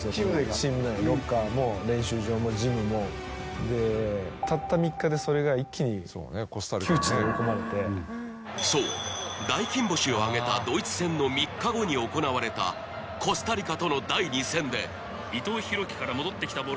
チーム内ロッカーも練習場もジムもたった３日でそれが一気に窮地に追い込まれてそう大金星をあげたドイツ戦の３日後に行われたコスタリカとの第２戦で伊藤洋輝から戻ってきたボール